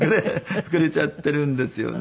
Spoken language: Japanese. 膨れちゃっているんですよね。